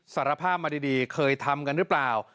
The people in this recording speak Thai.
สารภาพมาดีเคยทำกันหรือเปล่า